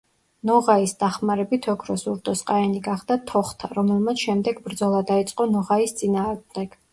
ნოღაის დახმარებით ოქროს ურდოს ყაენი გახდა თოხთა, რომელმაც შემდეგ ბრძოლა დაიწყო ნოღაის წინააღმდეგ.